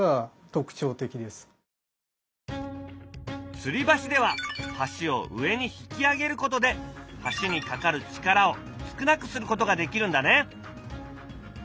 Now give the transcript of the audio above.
つり橋では橋を上に引き上げることで橋にかかる力を少なくすることができるんだね。